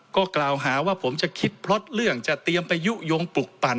ก็กล่าวหาว่าผมจะคิดพล็อตเรื่องจะเตรียมไปยุโยงปลุกปั่น